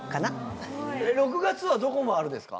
６月はどこ回るんですか？